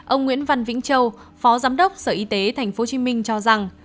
ông nguyễn văn vĩnh châu phó giám đốc sở y tế tp hcm cho rằng